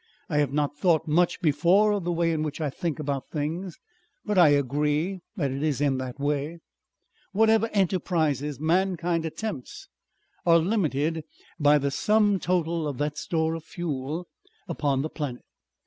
I have not thought much before of the way in which I think about things but I agree that it is in that way. Whatever enterprises mankind attempts are limited by the sum total of that store of fuel upon the planet.